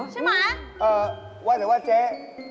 ใช่ไหมว่าแต่ว่าเจ๊